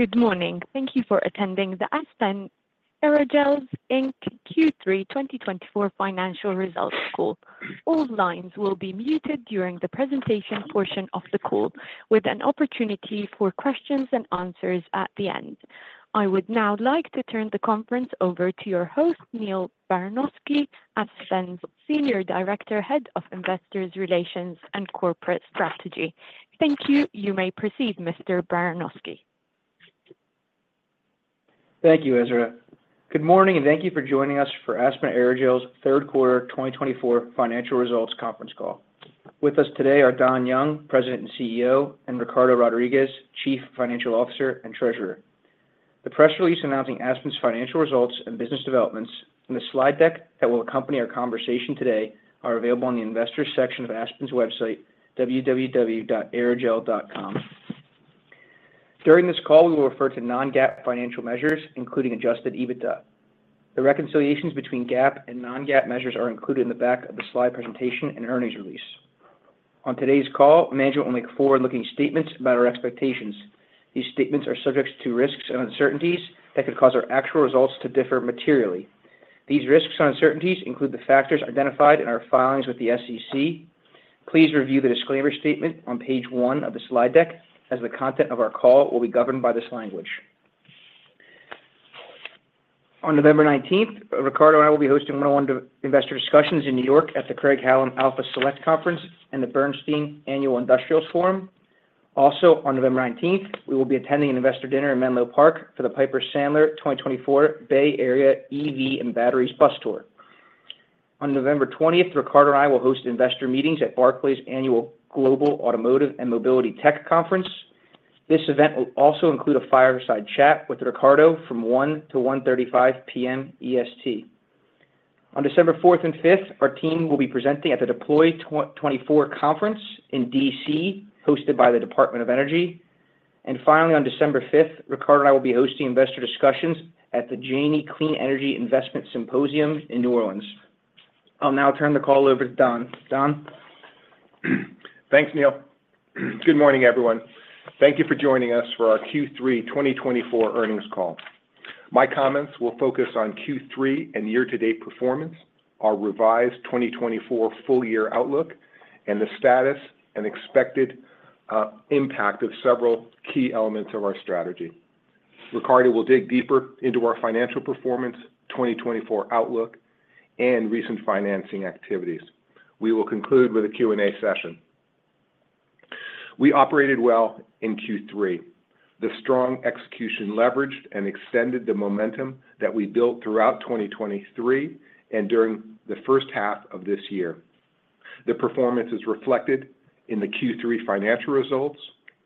Good morning. Thank you for attending the Aspen Aerogels Inc Q3 2024 financial results call. All lines will be muted during the presentation portion of the call, with an opportunity for questions and answers at the end. I would now like to turn the conference over to your host, Neal Baranosky, Aspen's Senior Director, Head of Investor Relations and Corporate Strategy. Thank you. You may proceed, Mr. Baranosky. Thank you, Ezra. Good morning, and thank you for joining us for Aspen Aerogels' third quarter 2024 financial results conference call. With us today are Don Young, President and CEO, and Ricardo Rodriguez, Chief Financial Officer and Treasurer. The press release announcing Aspen's financial results and business developments and the slide deck that will accompany our conversation today are available on the Investors section of Aspen's website, www.aerogel.com. During this call, we will refer to non-GAAP financial measures, including Adjusted EBITDA. The reconciliations between GAAP and non-GAAP measures are included in the back of the slide presentation and earnings release. On today's call, management will make forward-looking statements about our expectations. These statements are subject to risks and uncertainties that could cause our actual results to differ materially. These risks and uncertainties include the factors identified in our filings with the SEC. Please review the disclaimer statement on page one of the slide deck, as the content of our call will be governed by this language. On November 19th, Ricardo and I will be hosting one-on-one investor discussions in New York at the Craig-Hallum Alpha Select Conference and the Bernstein Annual Industrials Forum. Also, on November 19th, we will be attending an investor dinner in Menlo Park for the Piper Sandler 2024 Bay Area EV and Batteries Bus Tour. On November 20th, Ricardo and I will host investor meetings at Barclays' annual Global Automotive and Mobility Tech Conference. This event will also include a fireside chat with Ricardo from 1:00 P.M. to 1:35 P.M. EST. On December 4th and 5th, our team will be presenting at the Deploy 2024 Conference in D.C., hosted by the Department of Energy. And finally, on December 5th, Ricardo and I will be hosting investor discussions at the Janney Clean Energy Investment Symposium in New Orleans. I'll now turn the call over to Don. Don. Thanks, Neal. Good morning, everyone. Thank you for joining us for our Q3 2024 earnings call. My comments will focus on Q3 and year-to-date performance, our revised 2024 full-year outlook, and the status and expected impact of several key elements of our strategy. Ricardo will dig deeper into our financial performance, 2024 outlook, and recent financing activities. We will conclude with a Q&A session. We operated well in Q3. The strong execution leveraged and extended the momentum that we built throughout 2023 and during the first half of this year. The performance is reflected in the Q3 financial results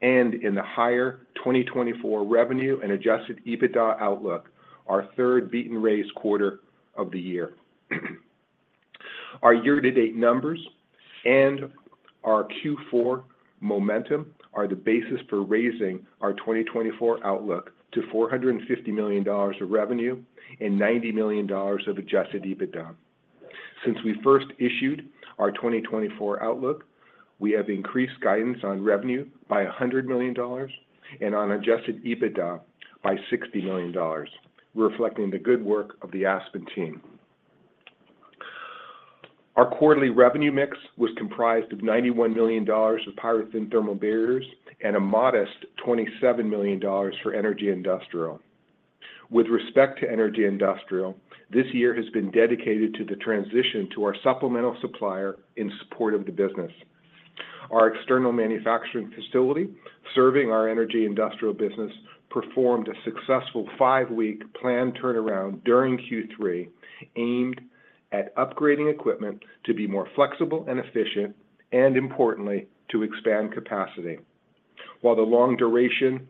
and in the higher 2024 revenue and adjusted EBITDA outlook, our third beat-and-raise quarter of the year. Our year-to-date numbers and our Q4 momentum are the basis for raising our 2024 outlook to $450 million of revenue and $90 million of adjusted EBITDA. Since we first issued our 2024 outlook, we have increased guidance on revenue by $100 million and on Adjusted EBITDA by $60 million, reflecting the good work of the Aspen team. Our quarterly revenue mix was comprised of $91 million of PyroThin thermal barriers and a modest $27 million for Energy Industrial. With respect to Energy Industrial, this year has been dedicated to the transition to our supplemental supplier in support of the business. Our external manufacturing facility serving our Energy Industrial business performed a successful five-week planned turnaround during Q3, aimed at upgrading equipment to be more flexible and efficient, and importantly, to expand capacity. While the long duration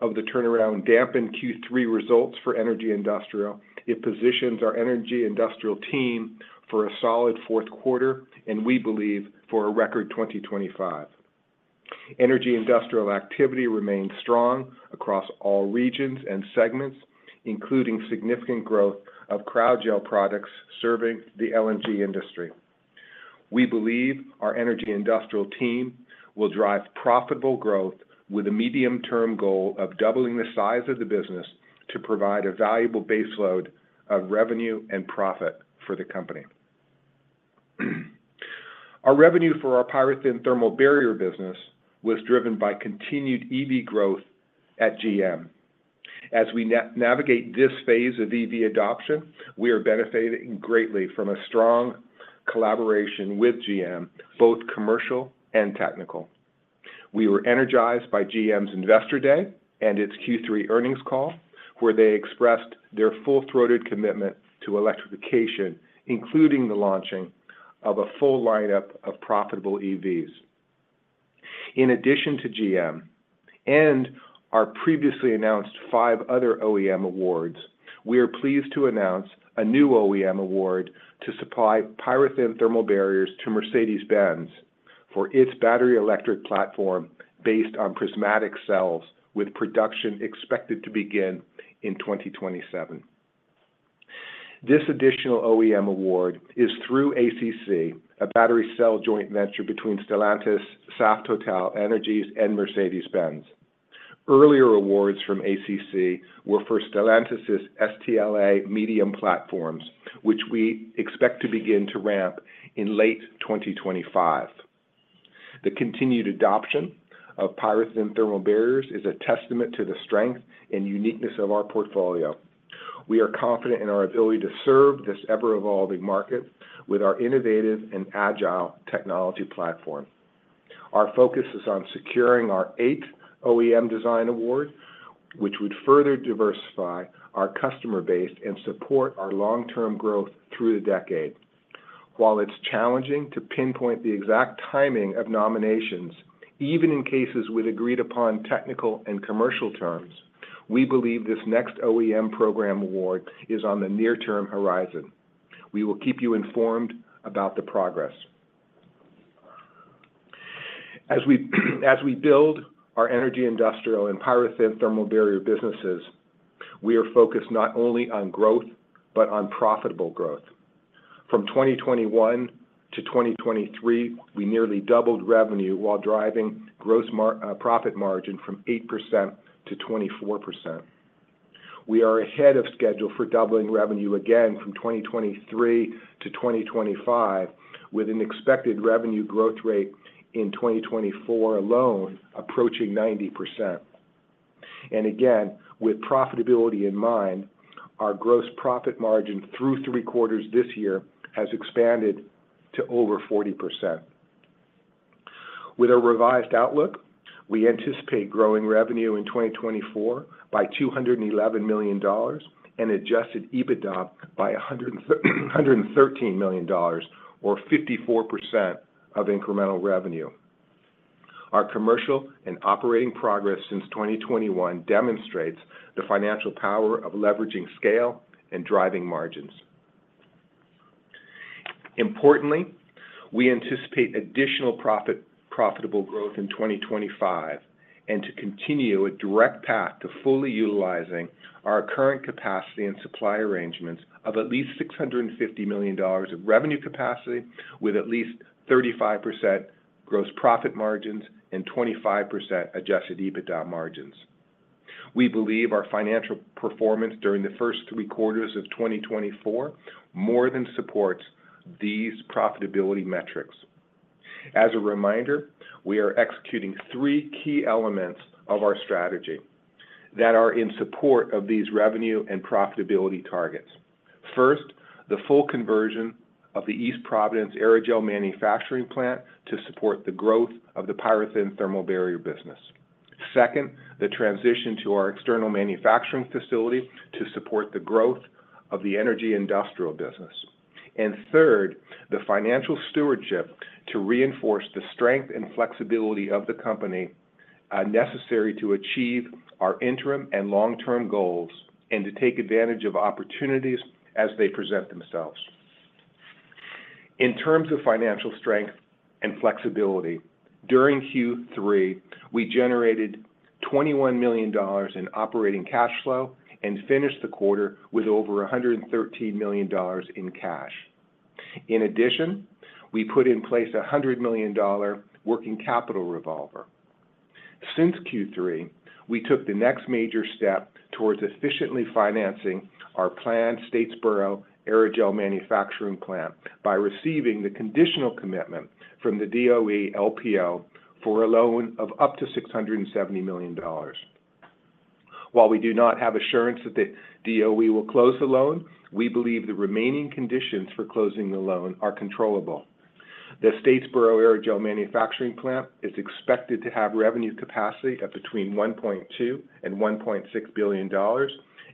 of the turnaround dampened Q3 results for Energy Industrial, it positions our Energy Industrial team for a solid fourth quarter, and we believe for a record 2025. Energy industrial activity remained strong across all regions and segments, including significant growth of Cryogel products serving the LNG industry. We believe our Energy Industrial team will drive profitable growth with a medium-term goal of doubling the size of the business to provide a valuable baseload of revenue and profit for the company. Our revenue for our PyroThin thermal barrier business was driven by continued EV growth at GM. As we navigate this phase of EV adoption, we are benefiting greatly from a strong collaboration with GM, both commercial and technical. We were energized by GM's Investor Day and its Q3 earnings call, where they expressed their full-throated commitment to electrification, including the launching of a full lineup of profitable EVs. In addition to GM and our previously announced five other OEM awards, we are pleased to announce a new OEM award to supply PyroThin thermal barriers to Mercedes-Benz for its battery-electric platform based on prismatic cells, with production expected to begin in 2027. This additional OEM award is through ACC, a battery cell joint venture between Stellantis, Saft-TotalEnergies, and Mercedes-Benz. Earlier awards from ACC were for Stellantis' STLA Medium platforms, which we expect to begin to ramp in late 2025. The continued adoption of PyroThin thermal barriers is a testament to the strength and uniqueness of our portfolio. We are confident in our ability to serve this ever-evolving market with our innovative and agile technology platform. Our focus is on securing our eighth OEM design award, which would further diversify our customer base and support our long-term growth through the decade. While it's challenging to pinpoint the exact timing of nominations, even in cases with agreed-upon technical and commercial terms, we believe this next OEM program award is on the near-term horizon. We will keep you informed about the progress. As we build our Energy Industrial and PyroThin thermal barrier businesses, we are focused not only on growth but on profitable growth. From 2021 to 2023, we nearly doubled revenue while driving gross profit margin from 8% to 24%. We are ahead of schedule for doubling revenue again from 2023 to 2025, with an expected revenue growth rate in 2024 alone approaching 90%. And again, with profitability in mind, our gross profit margin through three quarters this year has expanded to over 40%. With a revised outlook, we anticipate growing revenue in 2024 by $211 million and adjusted EBITDA by $113 million, or 54% of incremental revenue. Our commercial and operating progress since 2021 demonstrates the financial power of leveraging scale and driving margins. Importantly, we anticipate additional profitable growth in 2025 and to continue a direct path to fully utilizing our current capacity and supply arrangements of at least $650 million of revenue capacity, with at least 35% gross profit margins and 25% Adjusted EBITDA margins. We believe our financial performance during the first three quarters of 2024 more than supports these profitability metrics. As a reminder, we are executing three key elements of our strategy that are in support of these revenue and profitability targets. First, the full conversion of the East Providence aerogel manufacturing plant to support the growth of the PyroThin thermal barrier business. Second, the transition to our external manufacturing facility to support the growth of the Energy Industrial business. Third, the financial stewardship to reinforce the strength and flexibility of the company necessary to achieve our interim and long-term goals and to take advantage of opportunities as they present themselves. In terms of financial strength and flexibility, during Q3, we generated $21 million in operating cash flow and finished the quarter with over $113 million in cash. In addition, we put in place a $100 million working capital revolver. Since Q3, we took the next major step towards efficiently financing our planned Statesboro Aerogel manufacturing plant by receiving the conditional commitment from the DOE LPO for a loan of up to $670 million. While we do not have assurance that the DOE will close the loan, we believe the remaining conditions for closing the loan are controllable. The Statesboro Aerogel manufacturing plant is expected to have revenue capacity at between $1.2 billion-$1.6 billion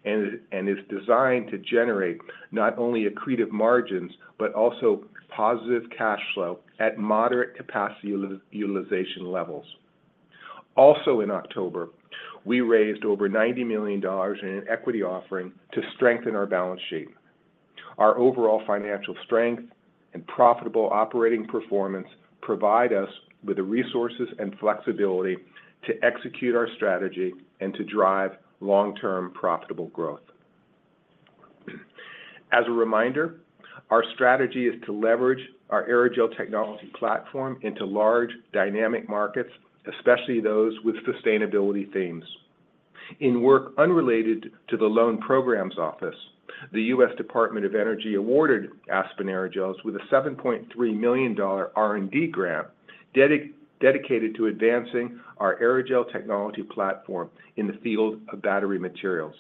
and is designed to generate not only accretive margins but also positive cash flow at moderate capacity utilization levels. Also, in October, we raised over $90 million in an equity offering to strengthen our balance sheet. Our overall financial strength and profitable operating performance provide us with the resources and flexibility to execute our strategy and to drive long-term profitable growth. As a reminder, our strategy is to leverage our Aerogel technology platform into large, dynamic markets, especially those with sustainability themes. In work unrelated to the Loan Programs Office, the U.S. Department of Energy awarded Aspen Aerogels with a $7.3 million R&D grant dedicated to advancing our Aerogel technology platform in the field of battery materials.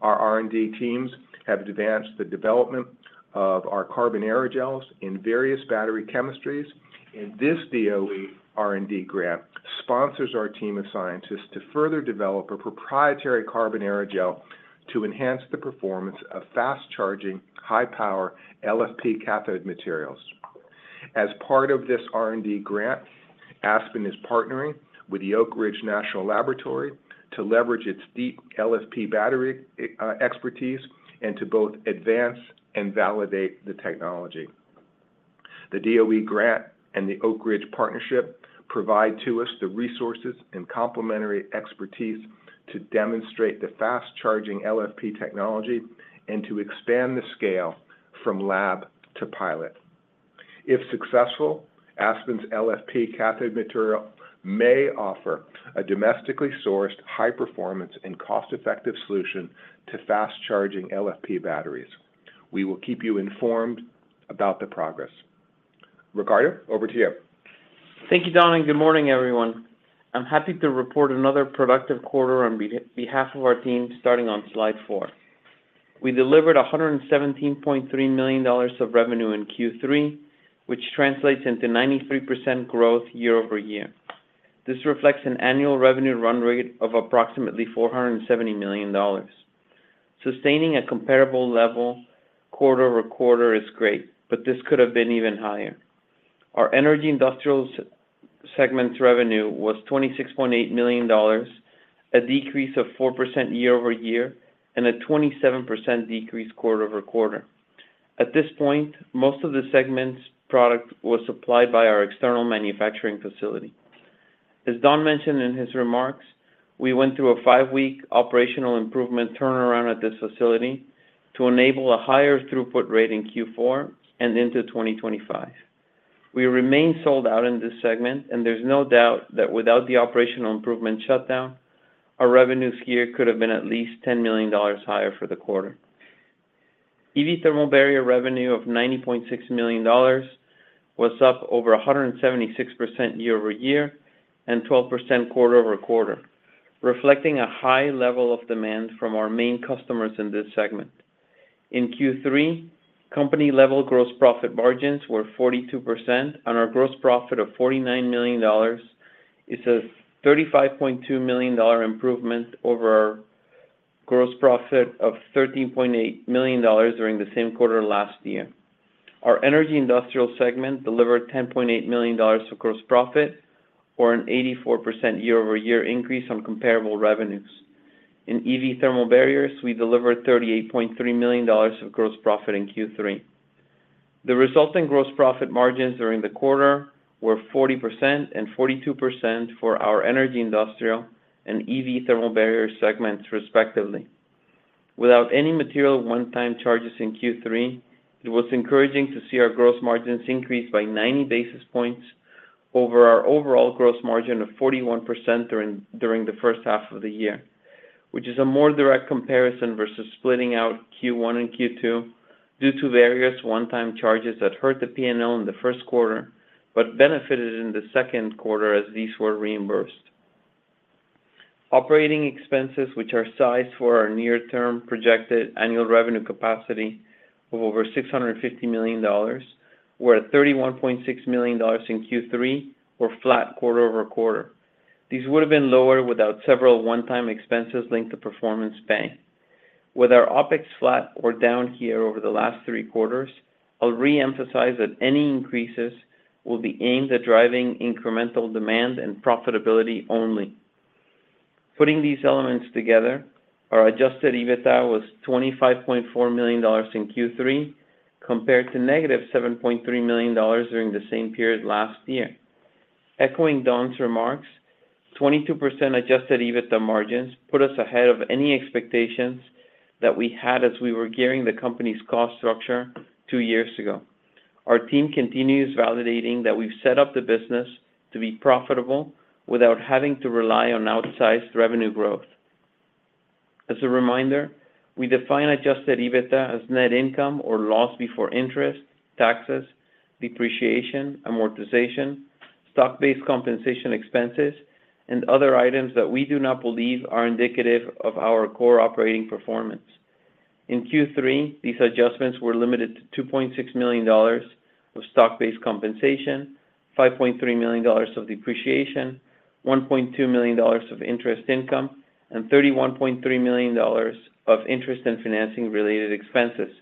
Our R&D teams have advanced the development of our carbon aerogels in various battery chemistries, and this DOE R&D grant sponsors our team of scientists to further develop a proprietary carbon aerogel to enhance the performance of fast-charging, high-power LFP cathode materials. As part of this R&D grant, Aspen is partnering with the Oak Ridge National Laboratory to leverage its deep LFP battery expertise and to both advance and validate the technology. The DOE grant and the Oak Ridge partnership provide us the resources and complementary expertise to demonstrate the fast-charging LFP technology and to expand the scale from lab to pilot. If successful, Aspen's LFP cathode material may offer a domestically sourced, high-performance and cost-effective solution to fast-charging LFP batteries. We will keep you informed about the progress. Ricardo, over to you. Thank you, Don, and good morning, everyone. I'm happy to report another productive quarter on behalf of our team, starting on slide four. We delivered $117.3 million of revenue in Q3, which translates into 93% growth year-over-year. This reflects an annual revenue run rate of approximately $470 million. Sustaining a comparable level quarter-over-quarter is great, but this could have been even higher. Our Energy Industrial segment's revenue was $26.8 million, a decrease of 4% year-over-year, and a 27% decrease quarter-over-quarter. At this point, most of the segment's product was supplied by our external manufacturing facility. As Don mentioned in his remarks, we went through a five-week operational improvement turnaround at this facility to enable a higher throughput rate in Q4 and into 2025. We remain sold out in this segment, and there's no doubt that without the operational improvement shutdown, our revenues here could have been at least $10 million higher for the quarter. EV thermal barrier revenue of $90.6 million was up over 176% year-over-year and 12% quarter-over-quarter, reflecting a high level of demand from our main customers in this segment. In Q3, company-level gross profit margins were 42%, and our gross profit of $49 million is a $35.2 million improvement over our gross profit of $13.8 million during the same quarter last year. Our Energy Industrial segment delivered $10.8 million of gross profit, or an 84% year-over-year increase on comparable revenues. In EV thermal barriers, we delivered $38.3 million of gross profit in Q3. The resulting gross profit margins during the quarter were 40% and 42% for our Energy Industrial and EV thermal barrier segments, respectively. Without any material one-time charges in Q3, it was encouraging to see our gross margins increase by 90 basis points over our overall gross margin of 41% during the first half of the year, which is a more direct comparison versus splitting out Q1 and Q2 due to various one-time charges that hurt the P&L in the first quarter but benefited in the second quarter as these were reimbursed. Operating expenses, which are sized for our near-term projected annual revenue capacity of over $650 million, were at $31.6 million in Q3, or flat quarter-over-quarter. These would have been lower without several one-time expenses linked to performance pay. With our OpEx flat or down here over the last three quarters, I'll re-emphasize that any increases will be aimed at driving incremental demand and profitability only. Putting these elements together, our adjusted EBITDA was $25.4 million in Q3, compared to negative $7.3 million during the same period last year. Echoing Don's remarks, 22% adjusted EBITDA margins put us ahead of any expectations that we had as we were gearing the company's cost structure two years ago. Our team continues validating that we've set up the business to be profitable without having to rely on outsized revenue growth. As a reminder, we define adjusted EBITDA as net income or loss before interest, taxes, depreciation, amortization, stock-based compensation expenses, and other items that we do not believe are indicative of our core operating performance. In Q3, these adjustments were limited to $2.6 million of stock-based compensation, $5.3 million of depreciation, $1.2 million of interest income, and $31.3 million of interest and financing-related expenses,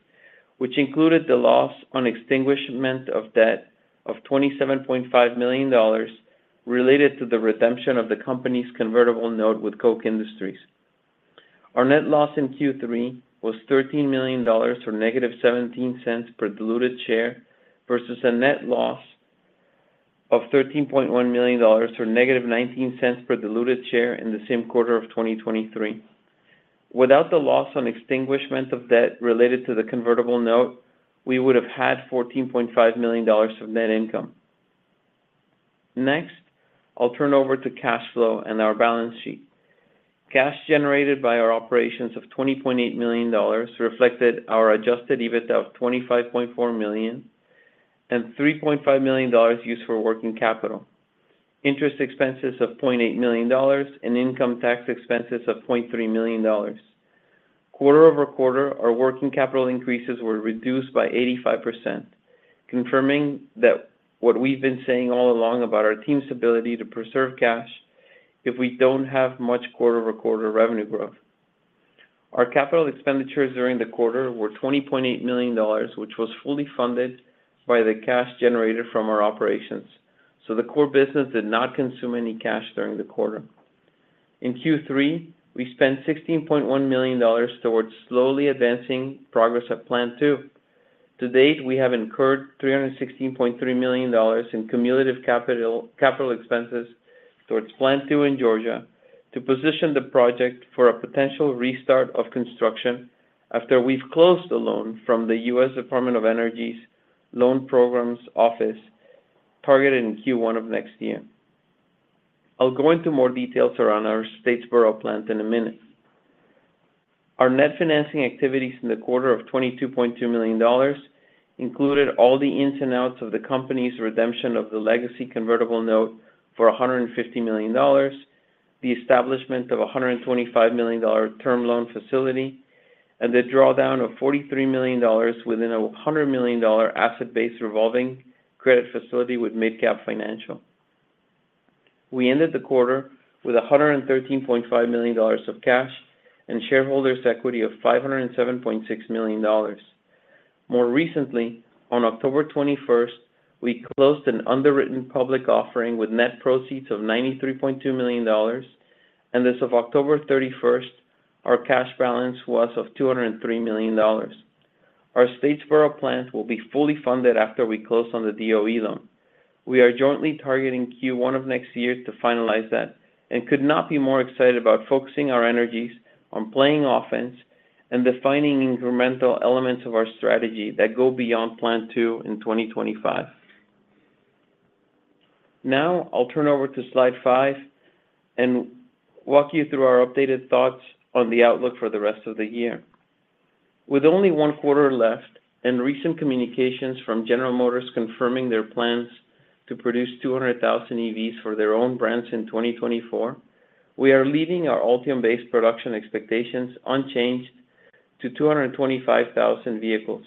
which included the loss on extinguishment of debt of $27.5 million related to the redemption of the company's convertible note with Koch Industries. Our net loss in Q3 was $13 million or negative $0.17 per diluted share versus a net loss of $13.1 million or negative $0.19 per diluted share in the same quarter of 2023. Without the loss on extinguishment of debt related to the convertible note, we would have had $14.5 million of net income. Next, I'll turn over to cash flow and our balance sheet. Cash generated by our operations of $20.8 million reflected our Adjusted EBITDA of $25.4 million and $3.5 million used for working capital, interest expenses of $0.8 million, and income tax expenses of $0.3 million. Quarter over quarter, our working capital increases were reduced by 85%, confirming that what we've been saying all along about our team's ability to preserve cash if we don't have much quarter-over-quarter revenue growth. Our capital expenditures during the quarter were $20.8 million, which was fully funded by the cash generated from our operations. So the core business did not consume any cash during the quarter. In Q3, we spent $16.1 million towards slowly advancing progress at Plant 2. To date, we have incurred $316.3 million in cumulative capital expenses towards Plant 2 in Georgia to position the project for a potential restart of construction after we've closed the loan from the U.S. Department of Energy's Loan Programs Office targeted in Q1 of next year. I'll go into more details around our Statesboro plant in a minute. Our net financing activities in the quarter of $22.2 million included all the ins and outs of the company's redemption of the legacy convertible note for $150 million, the establishment of a $125 million term loan facility, and the drawdown of $43 million within a $100 million asset-based revolving credit facility with MidCap Financial. We ended the quarter with $113.5 million of cash and shareholders' equity of $507.6 million. More recently, on October 21st, we closed an underwritten public offering with net proceeds of $93.2 million, and as of October 31st, our cash balance was of $203 million. Our Statesboro plant will be fully funded after we close on the DOE loan. We are jointly targeting Q1 of next year to finalize that and could not be more excited about focusing our energies on playing offense and defining incremental elements of our strategy that go beyond Plant 2 in 2025. Now, I'll turn over to slide five and walk you through our updated thoughts on the outlook for the rest of the year. With only one quarter left and recent communications from General Motors confirming their plans to produce 200,000 EVs for their own brands in 2024, we are leaving our Ultium-based production expectations unchanged to 225,000 vehicles,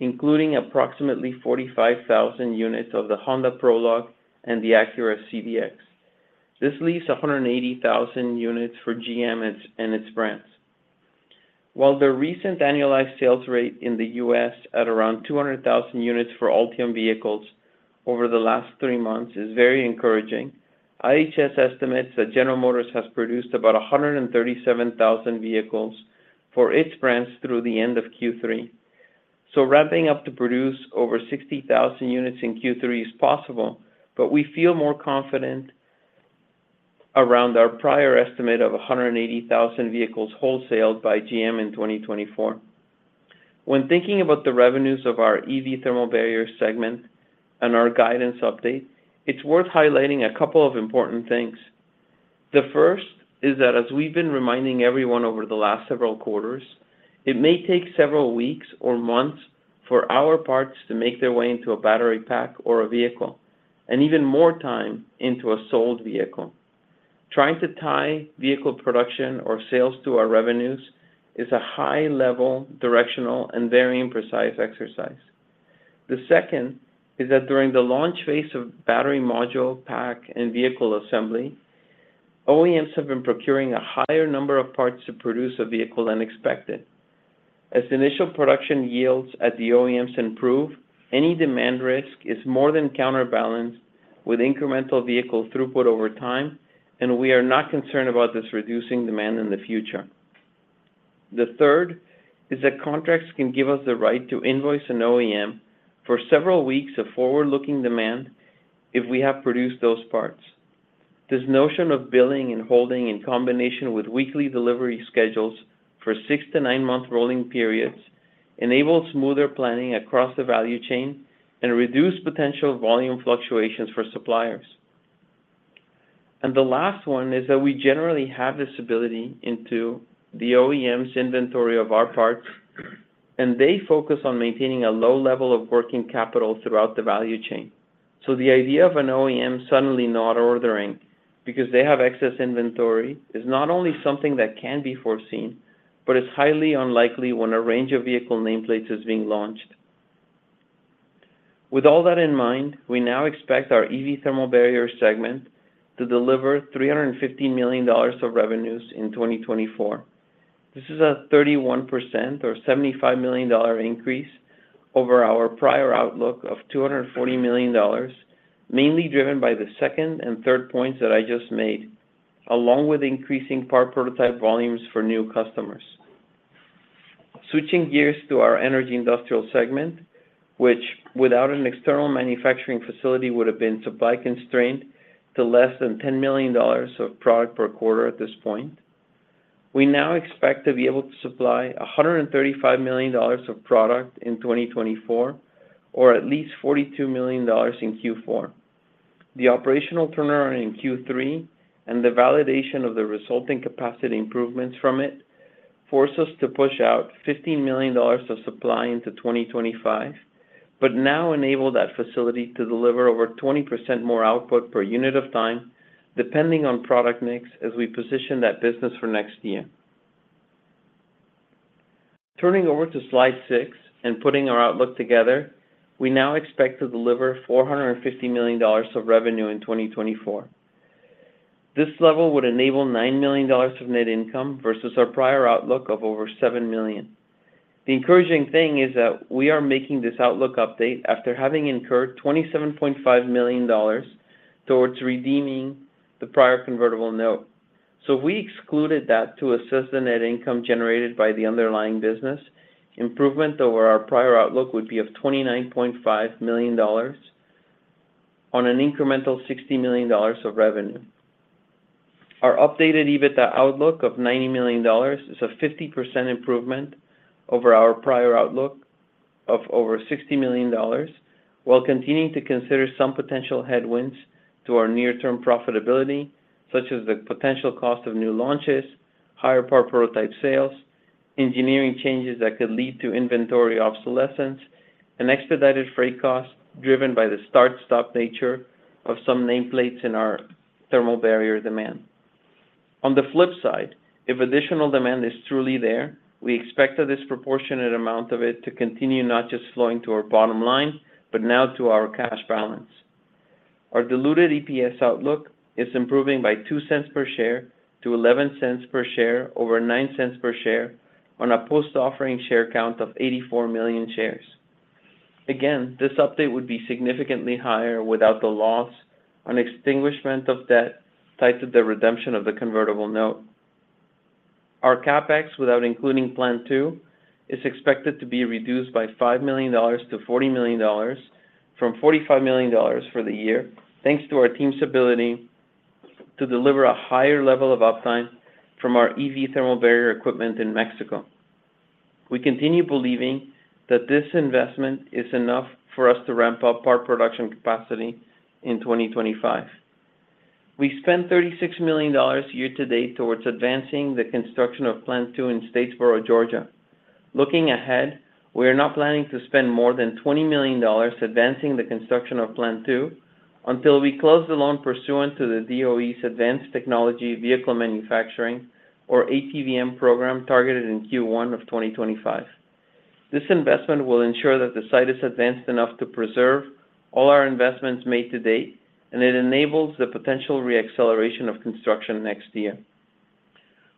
including approximately 45,000 units of the Honda Prologue and the Acura ZDX. This leaves 180,000 units for GM and its brands. While the recent annualized sales rate in the U.S. at around 200,000 units for Ultium vehicles over the last three months is very encouraging. IHS estimates that General Motors has produced about 137,000 vehicles for its brands through the end of Q3, so ramping up to produce over 60,000 units in Q3 is possible, but we feel more confident around our prior estimate of 180,000 vehicles wholesaled by GM in 2024. When thinking about the revenues of our EV thermal barrier segment and our guidance update, it's worth highlighting a couple of important things. The first is that, as we've been reminding everyone over the last several quarters, it may take several weeks or months for our parts to make their way into a battery pack or a vehicle, and even more time into a sold vehicle. Trying to tie vehicle production or sales to our revenues is a high-level, directional, and very imprecise exercise. The second is that during the launch phase of battery module pack and vehicle assembly, OEMs have been procuring a higher number of parts to produce a vehicle than expected. As initial production yields at the OEMs improve, any demand risk is more than counterbalanced with incremental vehicle throughput over time, and we are not concerned about this reducing demand in the future. The third is that contracts can give us the right to invoice an OEM for several weeks of forward-looking demand if we have produced those parts. This notion of billing and holding in combination with weekly delivery schedules for six to nine-month rolling periods enables smoother planning across the value chain and reduced potential volume fluctuations for suppliers. The last one is that we generally have this ability into the OEM's inventory of our parts, and they focus on maintaining a low level of working capital throughout the value chain. The idea of an OEM suddenly not ordering because they have excess inventory is not only something that can be foreseen, but it's highly unlikely when a range of vehicle nameplates is being launched. With all that in mind, we now expect our EV thermal barrier segment to deliver $315 million of revenues in 2024. This is a 31% or $75 million increase over our prior outlook of $240 million, mainly driven by the second and third points that I just made, along with increasing part prototype volumes for new customers. Switching gears to our Energy Industrial segment, which without an external manufacturing facility would have been supply constrained to less than $10 million of product per quarter at this point, we now expect to be able to supply $135 million of product in 2024, or at least $42 million in Q4. The operational turnaround in Q3 and the validation of the resulting capacity improvements from it force us to push out $15 million of supply into 2025, but now enable that facility to deliver over 20% more output per unit of time, depending on product mix as we position that business for next year. Turning over to slide six and putting our outlook together, we now expect to deliver $450 million of revenue in 2024. This level would enable $9 million of net income versus our prior outlook of over $7 million. The encouraging thing is that we are making this outlook update after having incurred $27.5 million towards redeeming the prior convertible note. So if we excluded that to assess the net income generated by the underlying business, improvement over our prior outlook would be of $29.5 million on an incremental $60 million of revenue. Our updated EBITDA outlook of $90 million is a 50% improvement over our prior outlook of over $60 million, while continuing to consider some potential headwinds to our near-term profitability, such as the potential cost of new launches, higher part prototype sales, engineering changes that could lead to inventory obsolescence, and expedited freight costs driven by the start-stop nature of some nameplates in our thermal barrier demand. On the flip side, if additional demand is truly there, we expect a disproportionate amount of it to continue not just flowing to our bottom line, but now to our cash balance. Our diluted EPS outlook is improving by two cents per share to 11 cents per share over nine cents per share on a post-offering share count of 84 million shares. Again, this update would be significantly higher without the loss on extinguishment of debt tied to the redemption of the convertible note. Our CapEx, without including Plant 2, is expected to be reduced by $5 million to $40 million from $45 million for the year, thanks to our team's ability to deliver a higher level of uptime from our EV thermal barrier equipment in Mexico. We continue believing that this investment is enough for us to ramp up our production capacity in 2025. We spent $36 million year-to-date towards advancing the construction of Plant 2 in Statesboro, Georgia. Looking ahead, we are not planning to spend more than $20 million advancing the construction of Plant 2 until we close the loan pursuant to the DOE's Advanced Technology Vehicle Manufacturing, or ATVM, program targeted in Q1 of 2025. This investment will ensure that the site is advanced enough to preserve all our investments made to date, and it enables the potential re-acceleration of construction next year.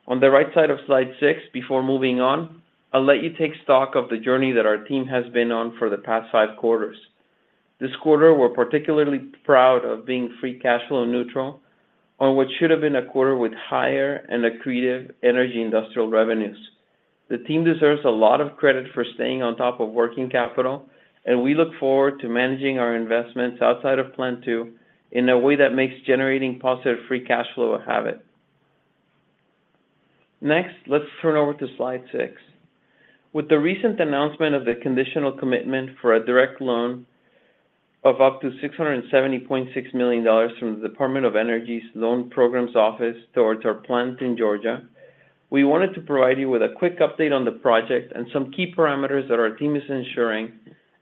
On the right side of slide six, before moving on, I'll let you take stock of the journey that our team has been on for the past five quarters. This quarter, we're particularly proud of being free cash flow neutral on what should have been a quarter with higher and accretive Energy Industrial revenues. The team deserves a lot of credit for staying on top of working capital, and we look forward to managing our investments outside of Plant 2 in a way that makes generating positive free cash flow a habit. Next, let's turn over to slide six. With the recent announcement of the conditional commitment for a direct loan of up to $670.6 million from the Department of Energy's Loan Programs Office towards our plant in Georgia, we wanted to provide you with a quick update on the project and some key parameters that our team is ensuring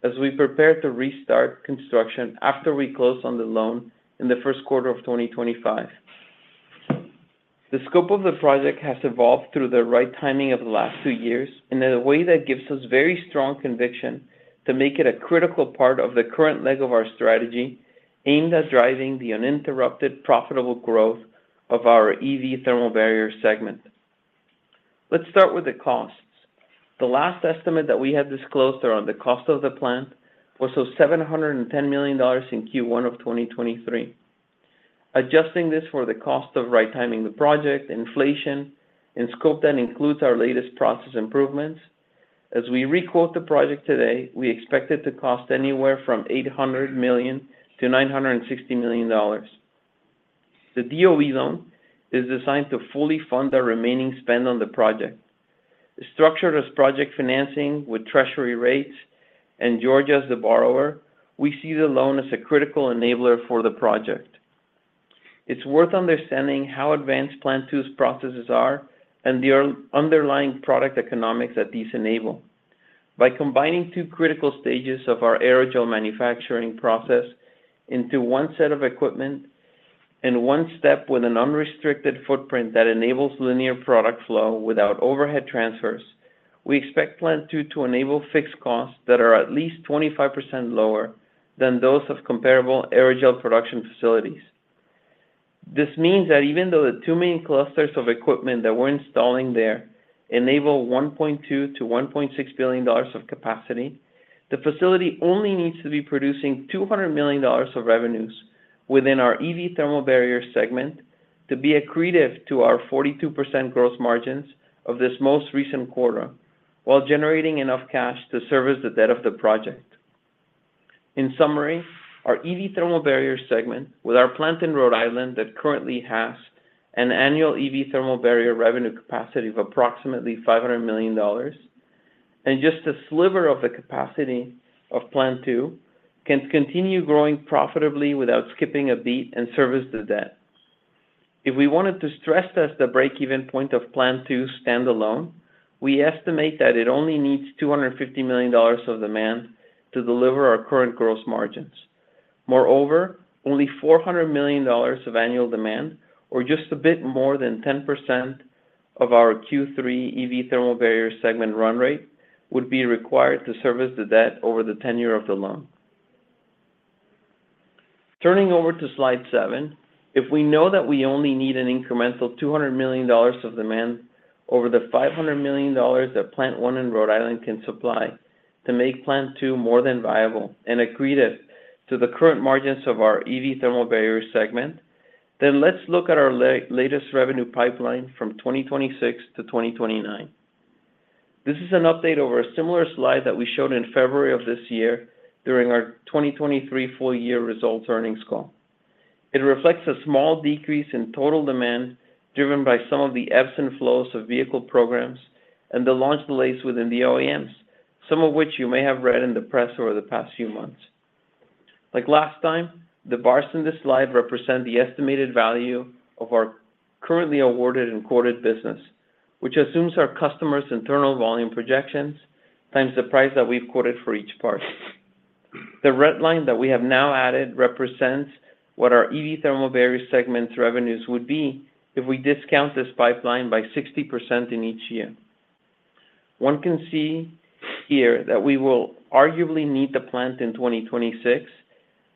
as we prepare to restart construction after we close on the loan in the first quarter of 2025. The scope of the project has evolved through the right-sizing of the last two years in a way that gives us very strong conviction to make it a critical part of the current leg of our strategy aimed at driving the uninterrupted profitable growth of our EV thermal barrier segment. Let's start with the costs. The last estimate that we had disclosed around the cost of the plant was of $710 million in Q1 of 2023. Adjusting this for the cost of right-sizing the project, inflation, and scope that includes our latest process improvements, as we requote the project today, we expect it to cost anywhere from $800 million-$960 million. The DOE loan is designed to fully fund our remaining spend on the project. Structured as project financing with treasury rates and Georgia as the borrower, we see the loan as a critical enabler for the project. It's worth understanding how advanced Plant 2's processes are and the underlying product economics that these enable. By combining two critical stages of our aerogel manufacturing process into one set of equipment and one step with an unrestricted footprint that enables linear product flow without overhead transfers, we expect Plant 2 to enable fixed costs that are at least 25% lower than those of comparable aerogel production facilities. This means that even though the two main clusters of equipment that we're installing there enable $1.2-$1.6 billion of capacity, the facility only needs to be producing $200 million of revenues within our EV thermal barrier segment to be accretive to our 42% gross margins of this most recent quarter while generating enough cash to service the debt of the project. In summary, our EV thermal barrier segment, with our plant in Rhode Island that currently has an annual EV thermal barrier revenue capacity of approximately $500 million, and just a sliver of the capacity of Plant 2, can continue growing profitably without skipping a beat and service the debt. If we wanted to stress test the break-even point of Plant 2 standalone, we estimate that it only needs $250 million of demand to deliver our current gross margins. Moreover, only $400 million of annual demand, or just a bit more than 10% of our Q3 EV thermal barrier segment run rate, would be required to service the debt over the tenure of the loan. Turning over to slide seven, if we know that we only need an incremental $200 million of demand over the $500 million that Plant 1 in Rhode Island can supply to make Plant 2 more than viable and accretive to the current margins of our EV thermal barrier segment, then let's look at our latest revenue pipeline from 2026 to 2029. This is an update over a similar slide that we showed in February of this year during our 2023 full-year results earnings call. It reflects a small decrease in total demand driven by some of the ebbs and flows of vehicle programs and the launch delays within the OEMs, some of which you may have read in the press over the past few months. Like last time, the bars in this slide represent the estimated value of our currently awarded and quoted business, which assumes our customers' internal volume projections times the price that we've quoted for each part. The red line that we have now added represents what our EV thermal barrier segment's revenues would be if we discount this pipeline by 60% in each year. One can see here that we will arguably need the plant in 2026,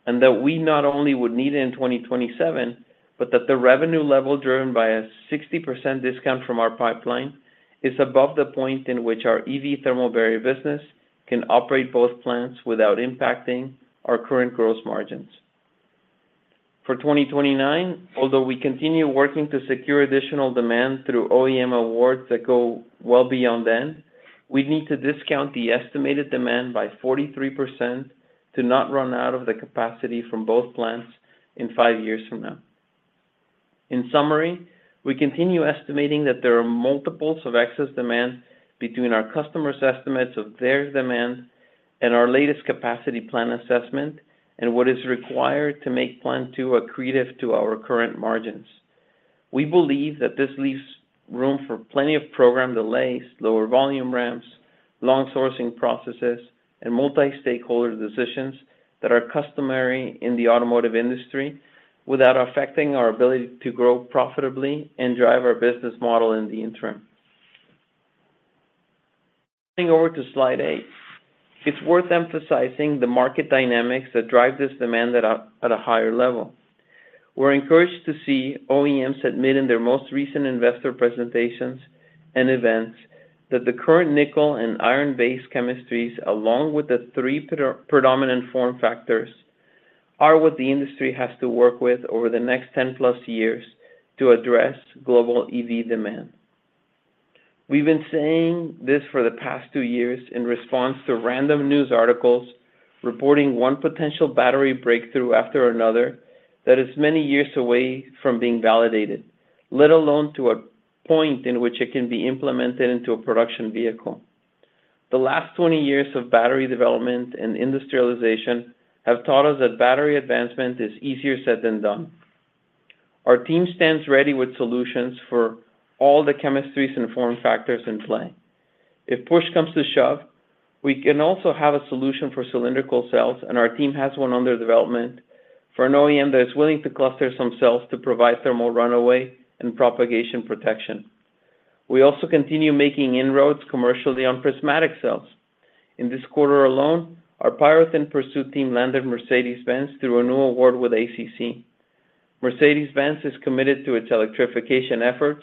and that we not only would need it in 2027, but that the revenue level driven by a 60% discount from our pipeline is above the point in which our EV thermal barrier business can operate both plants without impacting our current gross margins. For 2029, although we continue working to secure additional demand through OEM awards that go well beyond then, we need to discount the estimated demand by 43% to not run out of the capacity from both plants in five years from now. In summary, we continue estimating that there are multiples of excess demand between our customers' estimates of their demand and our latest capacity plan assessment and what is required to make Plant 2 accretive to our current margins. We believe that this leaves room for plenty of program delays, lower volume ramps, long sourcing processes, and multi-stakeholder decisions that are customary in the automotive industry without affecting our ability to grow profitably and drive our business model in the interim. Turning to slide eight, it's worth emphasizing the market dynamics that drive this demand at a higher level. We're encouraged to see OEMs admit in their most recent investor presentations and events that the current nickel and iron-based chemistries, along with the three predominant form factors, are what the industry has to work with over the next 10-plus years to address global EV demand. We've been saying this for the past two years in response to random news articles reporting one potential battery breakthrough after another that is many years away from being validated, let alone to a point in which it can be implemented into a production vehicle. The last 20 years of battery development and industrialization have taught us that battery advancement is easier said than done. Our team stands ready with solutions for all the chemistries and form factors in play. If push comes to shove, we can also have a solution for cylindrical cells, and our team has one under development for an OEM that is willing to cluster some cells to provide thermal runaway and propagation protection. We also continue making inroads commercially on prismatic cells. In this quarter alone, our PyroThin pursuit team landed Mercedes-Benz through a new award with ACC. Mercedes-Benz is committed to its electrification efforts,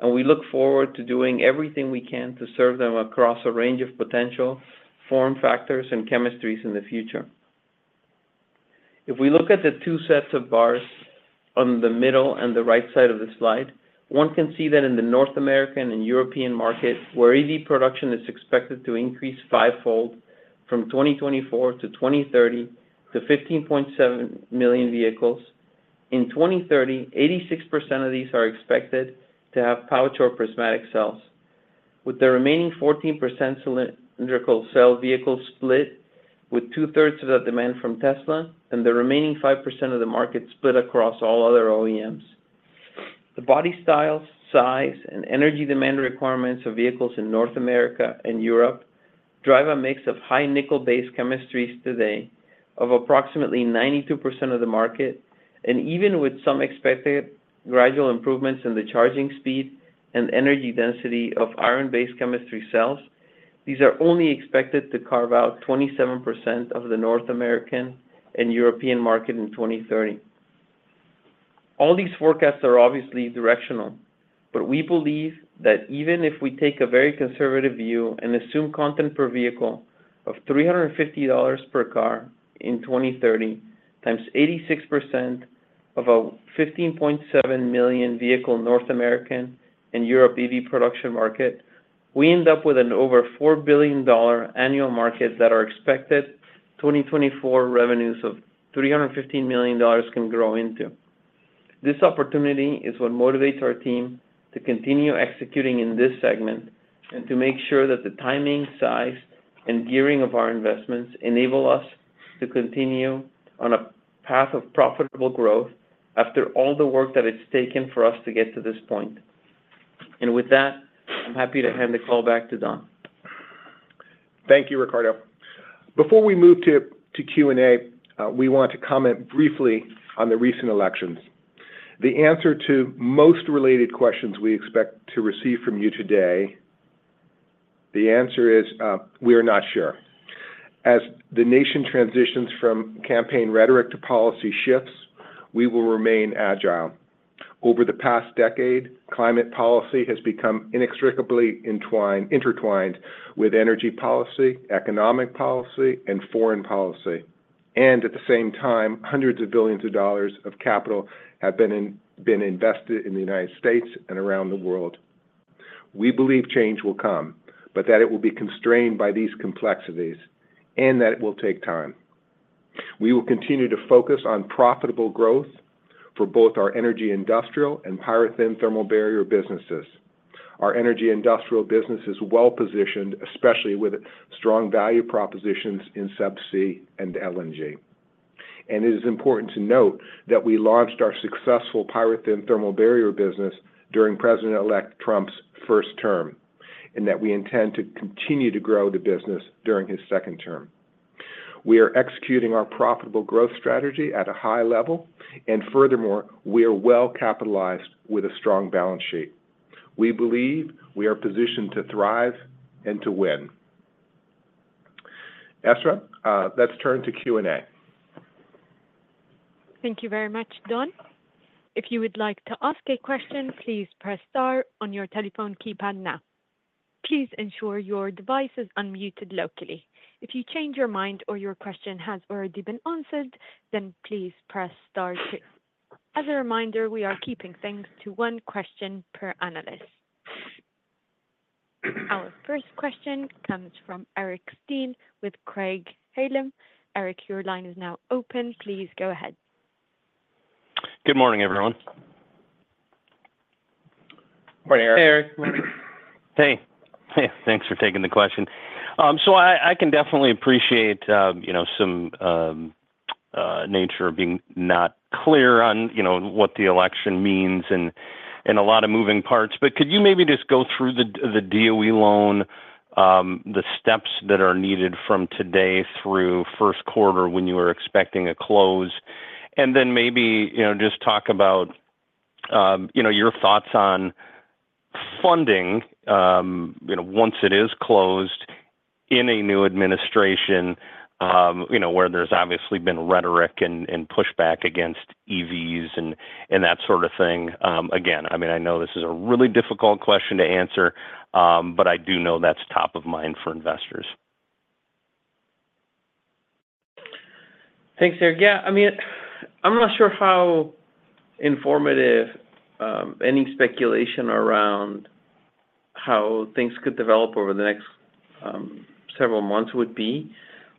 and we look forward to doing everything we can to serve them across a range of potential form factors and chemistries in the future. If we look at the two sets of bars on the middle and the right side of the slide, one can see that in the North American and European market, where EV production is expected to increase fivefold from 2024 to 2030 to 15.7 million vehicles, in 2030, 86% of these are expected to have pouch or prismatic cells, with the remaining 14% cylindrical cell vehicles split with two-thirds of the demand from Tesla and the remaining 5% of the market split across all other OEMs. The body styles, size, and energy demand requirements of vehicles in North America and Europe drive a mix of high nickel-based chemistries today of approximately 92% of the market, and even with some expected gradual improvements in the charging speed and energy density of iron-based chemistry cells, these are only expected to carve out 27% of the North American and European market in 2030. All these forecasts are obviously directional, but we believe that even if we take a very conservative view and assume content per vehicle of $350 per car in 2030 times 86% of a 15.7 million vehicle North American and Europe EV production market, we end up with an over $4 billion annual market that our expected 2024 revenues of $315 million can grow into. This opportunity is what motivates our team to continue executing in this segment and to make sure that the timing, size, and gearing of our investments enable us to continue on a path of profitable growth after all the work that it's taken for us to get to this point. And with that, I'm happy to hand the call back to Don. Thank you, Ricardo. Before we move to Q&A, we want to comment briefly on the recent elections. The answer to most related questions we expect to receive from you today, the answer is we are not sure. As the nation transitions from campaign rhetoric to policy shifts, we will remain agile. Over the past decade, climate policy has become inextricably intertwined with energy policy, economic policy, and foreign policy, and at the same time, hundreds of billions of dollars of capital have been invested in the United States and around the world. We believe change will come, but that it will be constrained by these complexities and that it will take time. We will continue to focus on profitable growth for both our Energy Industrial and PyroThin thermal barrier businesses. Our Energy Industrial business is well positioned, especially with strong value propositions in subsea and LNG. And it is important to note that we launched our successful PyroThin thermal barrier business during President-elect Trump's first term and that we intend to continue to grow the business during his second term. We are executing our profitable growth strategy at a high level, and furthermore, we are well capitalized with a strong balance sheet. We believe we are positioned to thrive and to win. Ezra, let's turn to Q&A. Thank you very much, Don. If you would like to ask a question, please press star on your telephone keypad now. Please ensure your device is unmuted locally. If you change your mind or your question has already been answered, then please press star two. As a reminder, we are keeping things to one question per analyst. Our first question comes from Eric Stine with Craig-Hallum. Eric, your line is now open. Please go ahead. Good morning, everyone. Morning, Eric. Hey, Eric. Morning. Hey. Hey. Thanks for taking the question. So I can definitely appreciate some nature of being not clear on what the election means and a lot of moving parts. But could you maybe just go through the DOE loan, the steps that are needed from today through first quarter when you were expecting a close, and then maybe just talk about your thoughts on funding once it is closed in a new administration where there's obviously been rhetoric and pushback against EVs and that sort of thing. Again, I mean, I know this is a really difficult question to answer, but I do know that's top of mind for investors. Thanks, Eric. Yeah. I mean, I'm not sure how informative any speculation around how things could develop over the next several months would be.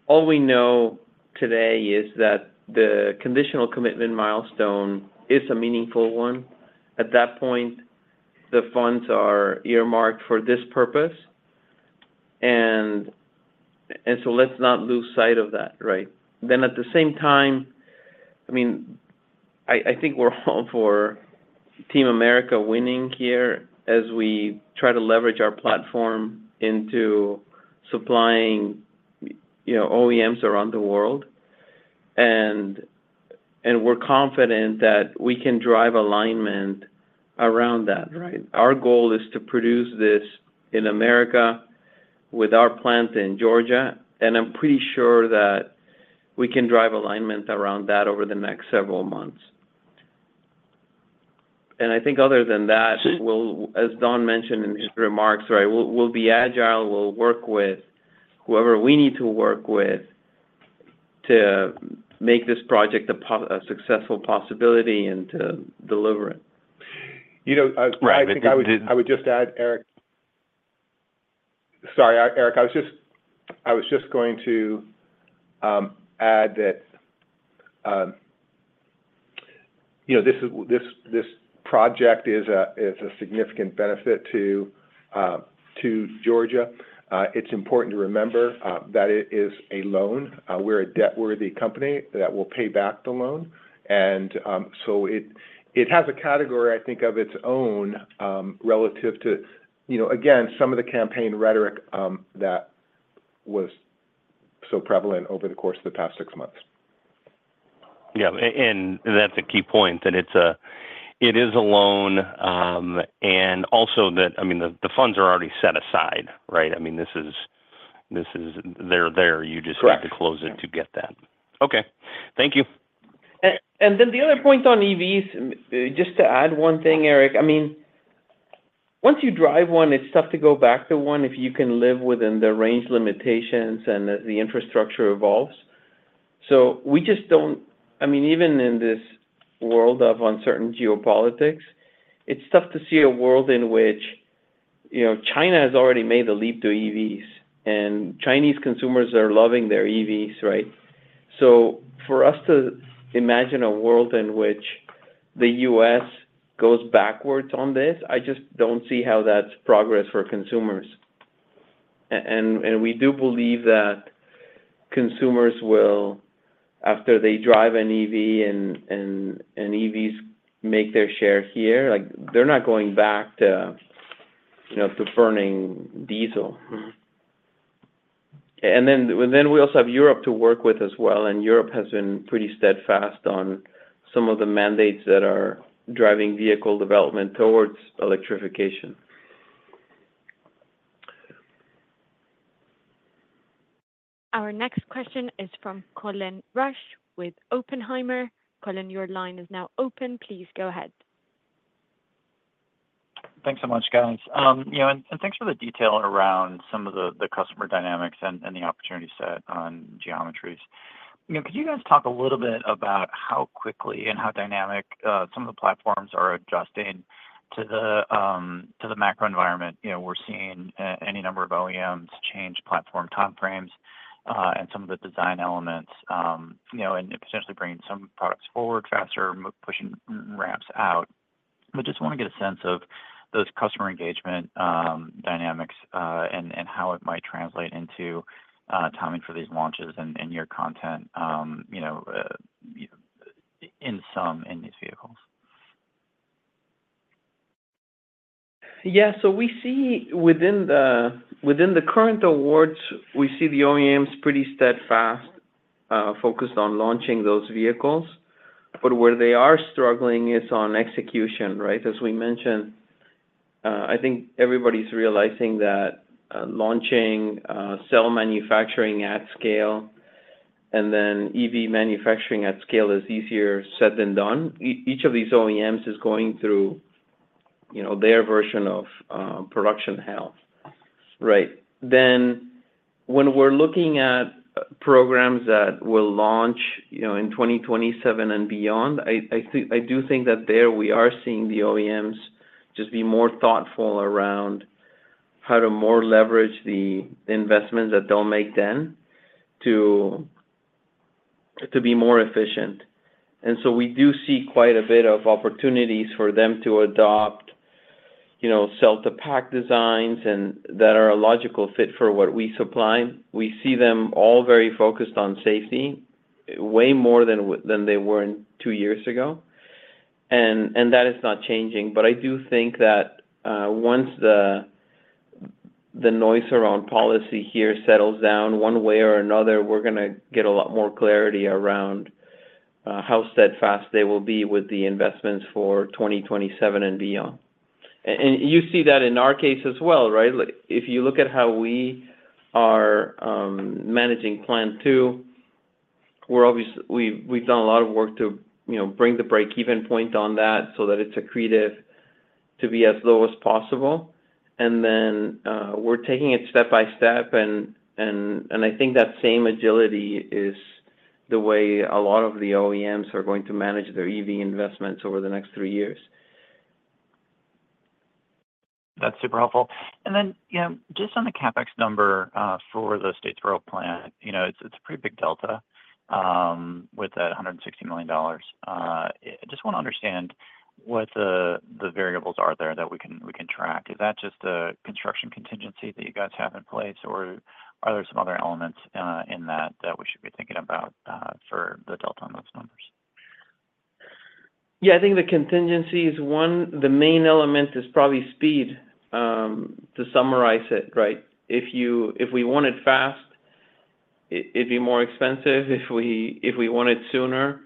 All we know today is that the conditional commitment milestone is a meaningful one. At that point, the funds are earmarked for this purpose, and so let's not lose sight of that, right? Then at the same time, I mean, I think we're all for Team America winning here as we try to leverage our platform into supplying OEMs around the world, and we're confident that we can drive alignment around that. Our goal is to produce this in America with our plant in Georgia, and I'm pretty sure that we can drive alignment around that over the next several months, and I think other than that, as Don mentioned in his remarks, right, we'll be agile. We'll work with whoever we need to work with to make this project a successful possibility and to deliver it. Right. I think I would just add, Eric, sorry, Eric. I was just going to add that this project is a significant benefit to Georgia. It's important to remember that it is a loan. We're a debt-worthy company that will pay back the loan. And so it has a category, I think, of its own relative to, again, some of the campaign rhetoric that was so prevalent over the course of the past six months. Yeah. And that's a key point that it is a loan. And also that, I mean, the funds are already set aside, right? I mean, they're there. You just have to close it to get that. Correct. Okay. Thank you. And then the other point on EVs, just to add one thing, Eric. I mean, once you drive one, it's tough to go back to one if you can live within the range limitations and as the infrastructure evolves. So we just don't. I mean, even in this world of uncertain geopolitics, it's tough to see a world in which China has already made the leap to EVs, and Chinese consumers are loving their EVs, right? So for us to imagine a world in which the U.S. goes backwards on this, I just don't see how that's progress for consumers. And we do believe that consumers will, after they drive an EV and EVs make their share here, they're not going back to burning diesel. And then we also have Europe to work with as well. And Europe has been pretty steadfast on some of the mandates that are driving vehicle development towards electrification. Our next question is from Colin Rusch with Oppenheimer. Colin, your line is now open. Please go ahead. Thanks so much, guys. And thanks for the detail around some of the customer dynamics and the opportunity set on geometries. Could you guys talk a little bit about how quickly and how dynamic some of the platforms are adjusting to the macro environment? We're seeing any number of OEMs change platform timeframes and some of the design elements and potentially bringing some products forward faster, pushing ramps out. But just want to get a sense of those customer engagement dynamics and how it might translate into timing for these launches and your content in some in these vehicles. Yeah. So we see within the current awards, we see the OEMs pretty steadfast, focused on launching those vehicles. But where they are struggling is on execution, right? As we mentioned, I think everybody's realizing that launching cell manufacturing at scale and then EV manufacturing at scale is easier said than done. Each of these OEMs is going through their version of production hell, right? Then when we're looking at programs that will launch in 2027 and beyond, I do think that there we are seeing the OEMs just be more thoughtful around how to more leverage the investments that they'll make then to be more efficient. And so we do see quite a bit of opportunities for them to adopt cell-to-pack designs that are a logical fit for what we supply. We see them all very focused on safety way more than they were two years ago. That is not changing. But I do think that once the noise around policy here settles down one way or another, we're going to get a lot more clarity around how steadfast they will be with the investments for 2027 and beyond. And you see that in our case as well, right? If you look at how we are managing Plant 2, we've done a lot of work to bring the break-even point on that so that it's accretive to be as low as possible. And then we're taking it step by step. And I think that same agility is the way a lot of the OEMs are going to manage their EV investments over the next three years. That's super helpful. And then just on the CapEx number for the Statesboro plant, it's a pretty big delta with that $160 million. I just want to understand what the variables are there that we can track. Is that just a construction contingency that you guys have in place, or are there some other elements in that that we should be thinking about for the delta in those numbers? Yeah. I think the contingency is one. The main element is probably speed. To summarize it, right? If we want it fast, it'd be more expensive. If we want it sooner,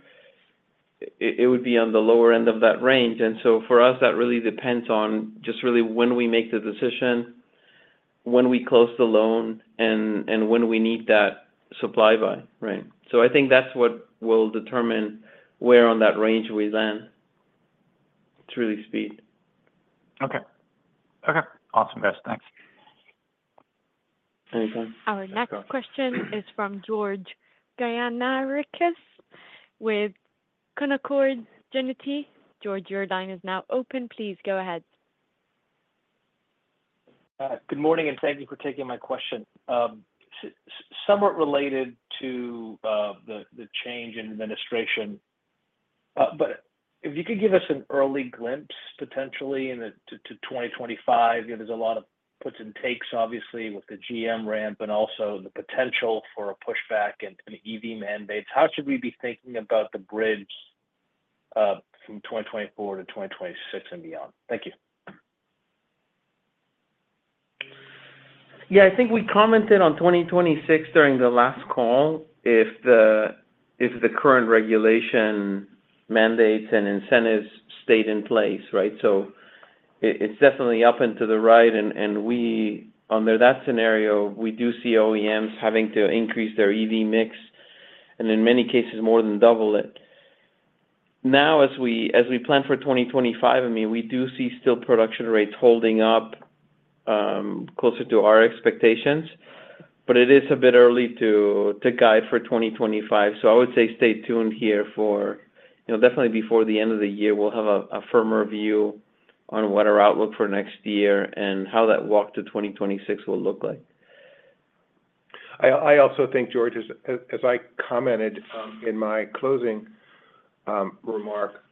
it would be on the lower end of that range. And so for us, that really depends on just really when we make the decision, when we close the loan, and when we need that supply buy, right? So I think that's what will determine where on that range we land. It's really speed. Okay. Okay. Awesome. Thanks. Anytime. Our next question is from George Gianarikas with Canaccord Genuity. George, your line is now open. Please go ahead. Good morning, and thank you for taking my question. Somewhat related to the change in administration, but if you could give us an early glimpse, potentially to 2025, there's a lot of puts and takes, obviously, with the GM ramp and also the potential for a pushback and EV mandates. How should we be thinking about the bridge from 2024 to 2026 and beyond? Thank you. Yeah. I think we commented on 2026 during the last call if the current regulation mandates and incentives stayed in place, right? So it's definitely up and to the right. And under that scenario, we do see OEMs having to increase their EV mix and, in many cases, more than double it. Now, as we plan for 2025, I mean, we do see still production rates holding up closer to our expectations, but it is a bit early to guide for 2025. So I would say stay tuned here for definitely before the end of the year; we'll have a firmer view on what our outlook for next year and how that walk to 2026 will look like. I also think, George, as I commented in my closing remark,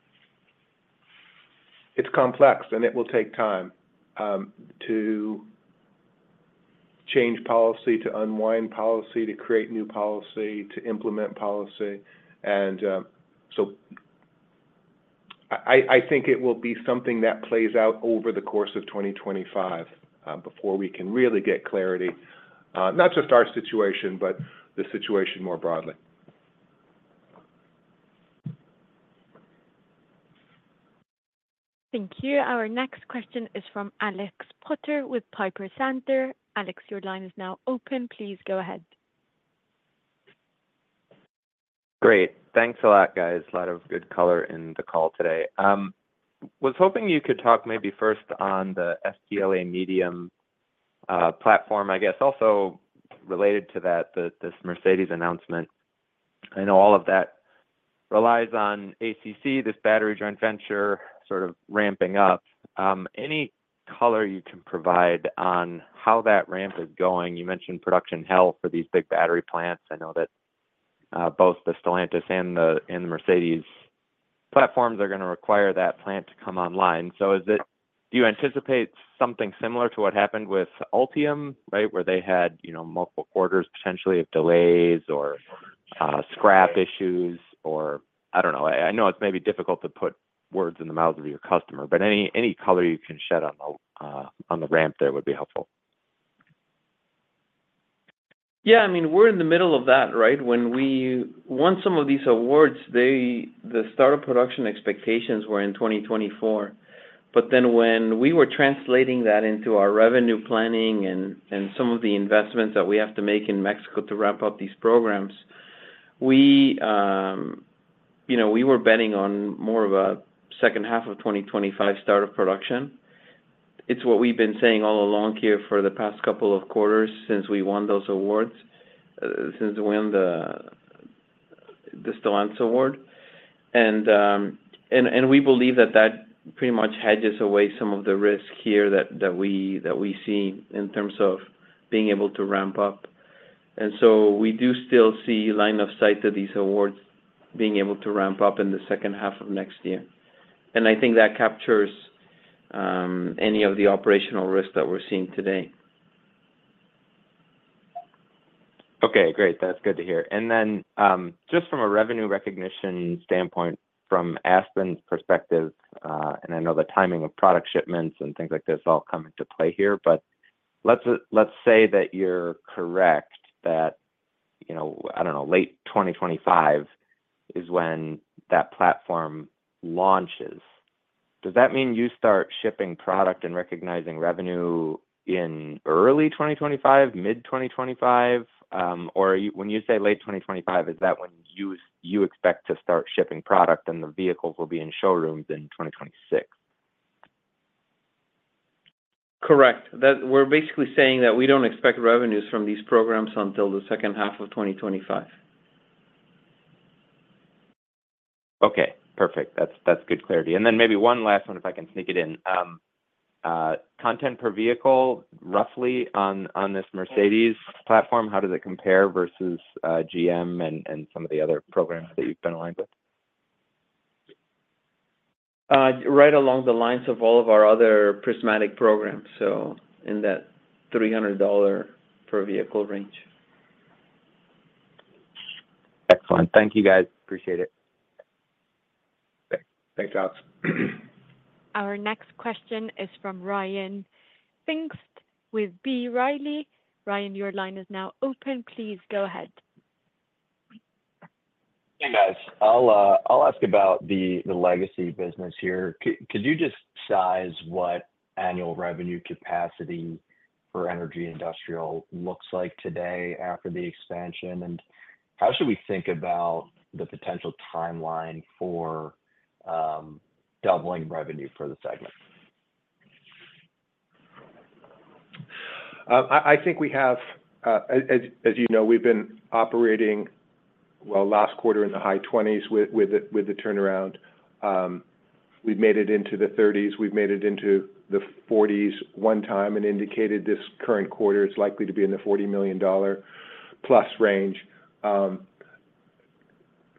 it's complex, and it will take time to change policy, to unwind policy, to create new policy, to implement policy, and so I think it will be something that plays out over the course of 2025 before we can really get clarity, not just our situation, but the situation more broadly. Thank you. Our next question is from Alex Potter with Piper Sandler. Alex, your line is now open. Please go ahead. Great. Thanks a lot, guys. A lot of good color in the call today. I was hoping you could talk maybe first on the STLA Medium platform, I guess. Also related to that, this Mercedes-Benz announcement, I know all of that relies on ACC, this battery joint venture sort of ramping up. Any color you can provide on how that ramp is going? You mentioned production hell for these big battery plants. I know that both the Stellantis and the Mercedes-Benz platforms are going to require that plant to come online. So do you anticipate something similar to what happened with Ultium, right, where they had multiple quarters potentially of delays or scrap issues or I don't know. I know it's maybe difficult to put words in the mouths of your customer, but any color you can shed on the ramp there would be helpful. Yeah. I mean, we're in the middle of that, right? When we won some of these awards, the startup production expectations were in 2024. But then when we were translating that into our revenue planning and some of the investments that we have to make in Mexico to ramp up these programs, we were betting on more of a second half of 2025 startup production. It's what we've been saying all along here for the past couple of quarters since we won those awards, since we won the Stellantis award. And we believe that that pretty much hedges away some of the risk here that we see in terms of being able to ramp up. And so we do still see line of sight to these awards being able to ramp up in the second half of next year. I think that captures any of the operational risks that we're seeing today. Okay. Great. That's good to hear. And then just from a revenue recognition standpoint, from Aspen's perspective, and I know the timing of product shipments and things like this all come into play here, but let's say that you're correct that, I don't know, late 2025 is when that platform launches. Does that mean you start shipping product and recognizing revenue in early 2025, mid-2025? Or when you say late 2025, is that when you expect to start shipping product and the vehicles will be in showrooms in 2026? Correct. We're basically saying that we don't expect revenues from these programs until the second half of 2025. Okay. Perfect. That's good clarity. And then maybe one last one, if I can sneak it in. Content per vehicle, roughly, on this Mercedes platform, how does it compare versus GM and some of the other programs that you've been aligned with? Right along the lines of all of our other prismatic programs, so in that $300 per vehicle range. Excellent. Thank you, guys. Appreciate it. Thanks, Alex. Our next question is from Ryan Pfingst with B. Riley. Ryan, your line is now open. Please go ahead. Hey, guys. I'll ask about the legacy business here. Could you just size what annual revenue capacity for Energy Industrial looks like today after the expansion? And how should we think about the potential timeline for doubling revenue for the segment? I think we have, as you know, we've been operating, well, last quarter in the high 20s with the turnaround. We've made it into the 30s. We've made it into the 40s one time and indicated this current quarter is likely to be in the $40 million plus range.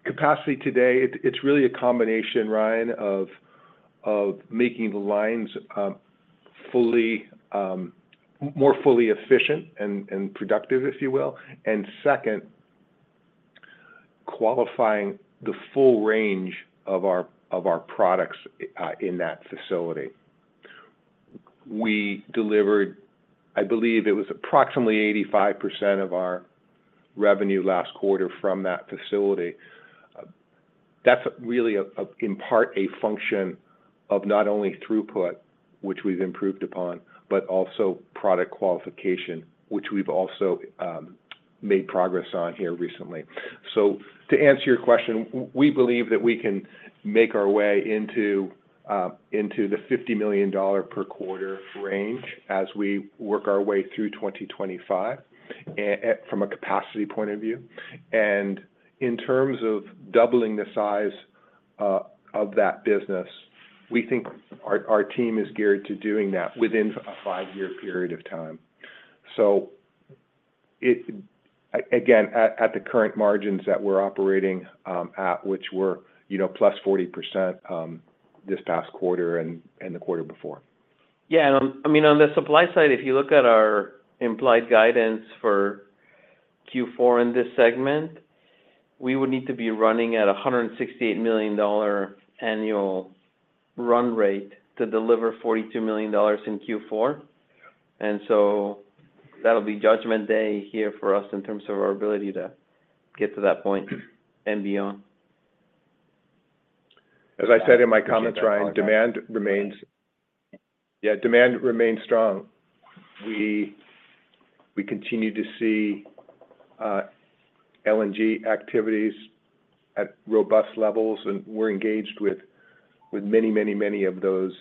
Capacity today, it's really a combination, Ryan, of making the lines more fully efficient and productive, if you will, and second, qualifying the full range of our products in that facility. We delivered, I believe it was approximately 85% of our revenue last quarter from that facility. That's really, in part, a function of not only throughput, which we've improved upon, but also product qualification, which we've also made progress on here recently. So to answer your question, we believe that we can make our way into the $50 million per quarter range as we work our way through 2025 from a capacity point of view. And in terms of doubling the size of that business, we think our team is geared to doing that within a five-year period of time. So again, at the current margins that we're operating at, which were plus 40% this past quarter and the quarter before. Yeah. And I mean, on the supply side, if you look at our implied guidance for Q4 in this segment, we would need to be running at a $168 million annual run rate to deliver $42 million in Q4. And so that'll be judgment day here for us in terms of our ability to get to that point and beyond. As I said in my comments, Ryan, demand remains strong. We continue to see LNG activities at robust levels, and we're engaged with many, many, many of those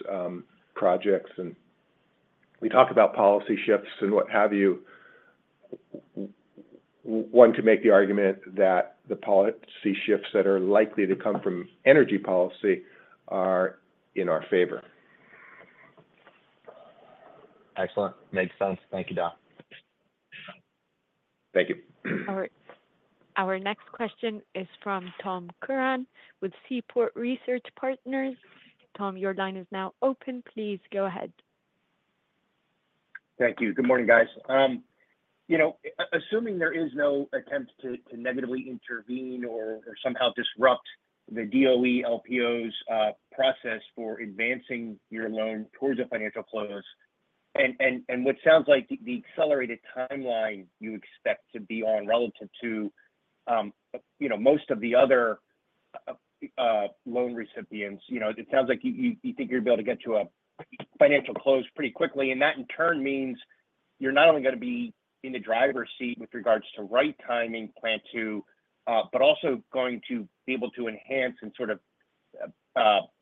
projects. And we talk about policy shifts and what have you. One could make the argument that the policy shifts that are likely to come from energy policy are in our favor. Excellent. Makes sense. Thank you, Don. Thank you. All right. Our next question is from Tom Curran with Seaport Research Partners. Tom, your line is now open. Please go ahead. Thank you. Good morning, guys. Assuming there is no attempt to negatively intervene or somehow disrupt the DOE LPO's process for advancing your loan towards a financial close. And what sounds like the accelerated timeline you expect to be on relative to most of the other loan recipients, it sounds like you think you're able to get to a financial close pretty quickly? And that, in turn, means you're not only going to be in the driver's seat with regards to right-sizing Plant 2, but also going to be able to enhance and sort of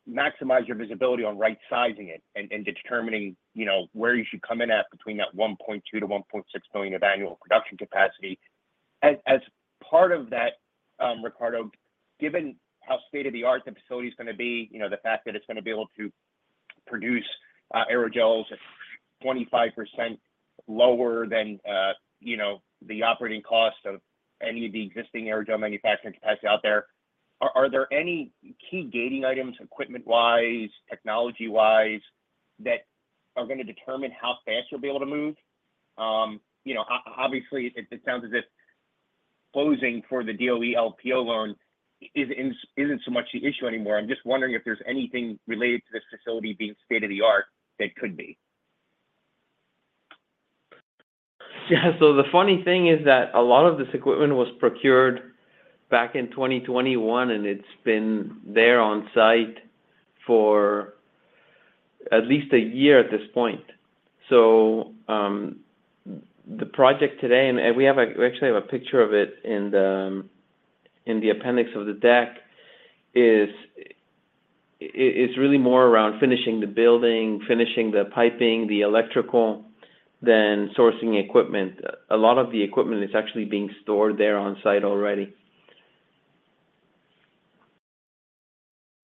maximize your visibility on right-sizing it and determining where you should come in at between that 1.2-1.6 million of annual production capacity. As part of that, Ricardo, given how state-of-the-art the facility is going to be, the fact that it's going to be able to produce aerogels 25% lower than the operating cost of any of the existing aerogel manufacturing capacity out there, are there any key gating items, equipment-wise, technology-wise, that are going to determine how fast you'll be able to move? Obviously, it sounds as if closing for the DOE LPO loan isn't so much the issue anymore. I'm just wondering if there's anything related to this facility being state-of-the-art that could be. Yeah. So the funny thing is that a lot of this equipment was procured back in 2021, and it's been there on site for at least a year at this point. So the project today, and we actually have a picture of it in the appendix of the deck, is really more around finishing the building, finishing the piping, the electrical, than sourcing equipment. A lot of the equipment is actually being stored there on site already.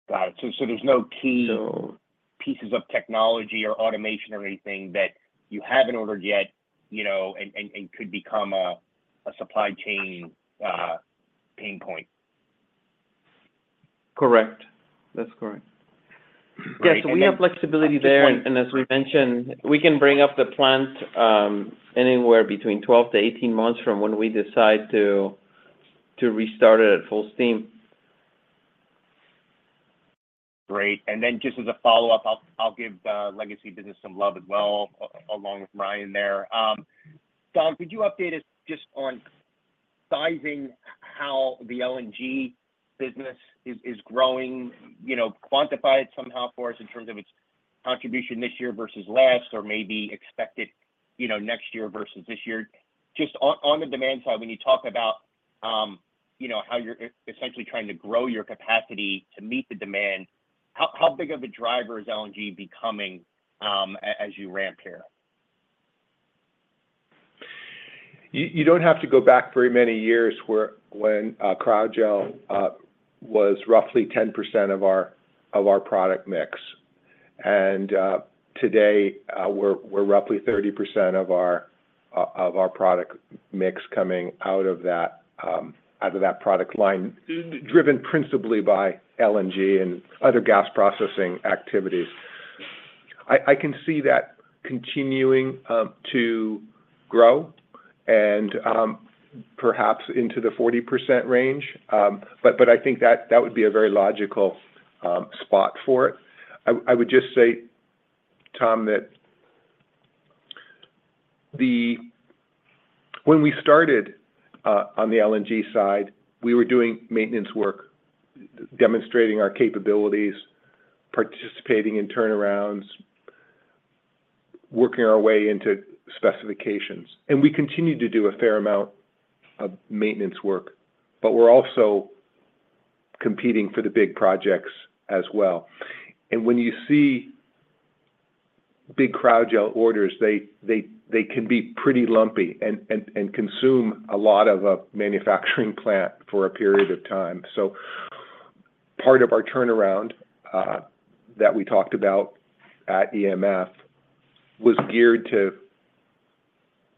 Got it. So there's no key pieces of technology or automation or anything that you haven't ordered yet and could become a supply chain pain point. Correct. That's correct. Yeah. So we have flexibility there. As we mentioned, we can bring up the plant anywhere between 12-18 months from when we decide to restart it at full steam. Great. And then just as a follow-up, I'll give the legacy business some love as well, along with Ryan there. Don, could you update us just on sizing how the LNG business is growing? Quantify it somehow for us in terms of its contribution this year versus last, or maybe expected next year versus this year. Just on the demand side, when you talk about how you're essentially trying to grow your capacity to meet the demand, how big of a driver is LNG becoming as you ramp here? You don't have to go back very many years when Cryogel was roughly 10% of our product mix. Today, we're roughly 30% of our product mix coming out of that product line, driven principally by LNG and other gas processing activities. I can see that continuing to grow and perhaps into the 40% range. But I think that would be a very logical spot for it. I would just say, Tom, that when we started on the LNG side, we were doing maintenance work, demonstrating our capabilities, participating in turnarounds, working our way into specifications. And we continue to do a fair amount of maintenance work, but we're also competing for the big projects as well. And when you see big Cryogel orders, they can be pretty lumpy and consume a lot of a manufacturing plant for a period of time. So part of our turnaround that we talked about at EMF was geared to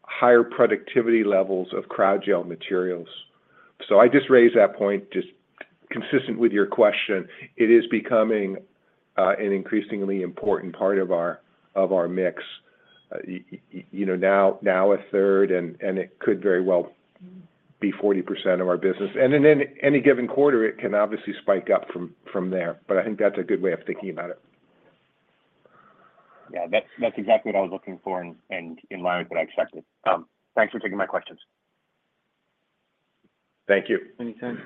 higher productivity levels of Cryogel materials. So I just raised that point just consistent with your question. It is becoming an increasingly important part of our mix. Now a third, and it could very well be 40% of our business. And in any given quarter, it can obviously spike up from there. But I think that's a good way of thinking about it. Yeah. That's exactly what I was looking for and in line with what I expected. Thanks for taking my questions. Thank you. Anytime.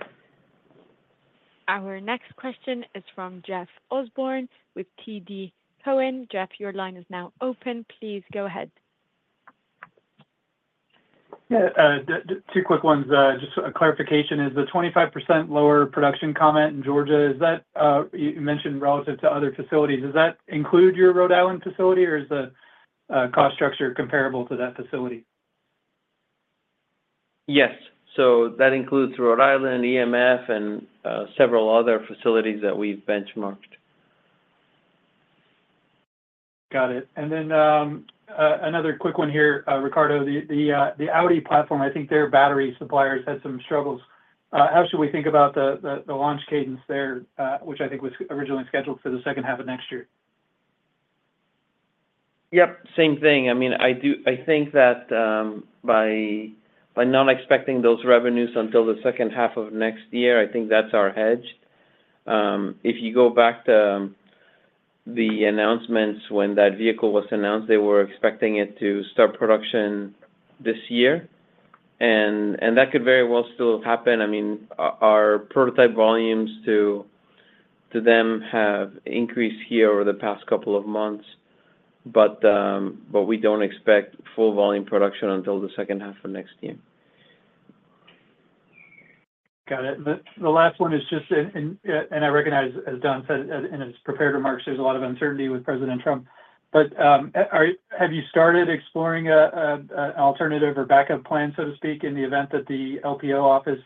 Our next question is from Jeff Osborne with TD Cowen. Jeff, your line is now open. Please go ahead. Yeah. Two quick ones. Just a clarification. Is the 25% lower production comment in Georgia you mentioned relative to other facilities, does that include your Rhode Island facility, or is the cost structure comparable to that facility? Yes. So that includes Rhode Island, EMF, and several other facilities that we've benchmarked. Got it. And then another quick one here, Ricardo. The Audi platform, I think their battery suppliers had some struggles. How should we think about the launch cadence there, which I think was originally scheduled for the second half of next year? Yep. Same thing. I mean, I think that by not expecting those revenues until the second half of next year, I think that's our hedge. If you go back to the announcements when that vehicle was announced, they were expecting it to start production this year. And that could very well still happen. I mean, our prototype volumes to them have increased here over the past couple of months, but we don't expect full volume production until the second half of next year. Got it. The last one is just, and I recognize, as Don said, in his prepared remarks, there's a lot of uncertainty with President Trump. But have you started exploring an alternative or backup plan, so to speak, in the event that the LPO office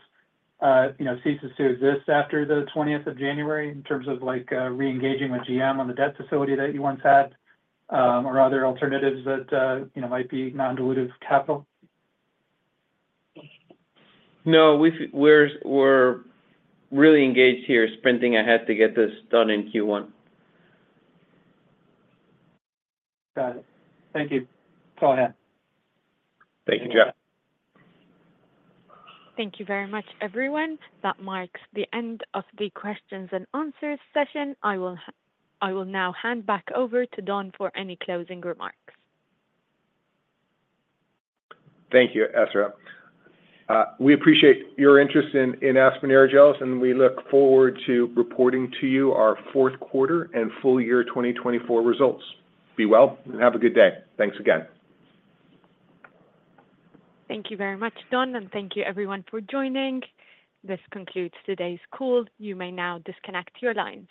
ceases to exist after the 20th of January in terms of reengaging with GM on the debt facility that you once had, or other alternatives that might be non-dilutive capital? No. We're really engaged here, sprinting ahead to get this done in Q1. Got it. Thank you. That's all I had. Thank you, Jeff. Thank you very much, everyone. That marks the end of the questions and answers session. I will now hand back over to Don for any closing remarks. Thank you, Ezra. We appreciate your interest in Aspen Aerogels, and we look forward to reporting to you our fourth quarter and full year 2024 results. Be well and have a good day. Thanks again. Thank you very much, Don, and thank you, everyone, for joining. This concludes today's call. You may now disconnect your line.